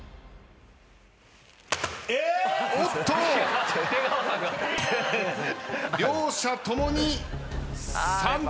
おっと！？両者共に３番。